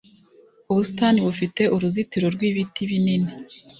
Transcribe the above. Ubusitani bufite uruzitiro rwibiti binini